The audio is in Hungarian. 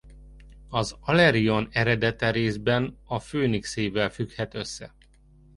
Az alerion eredete részben a főnixével függhet össze.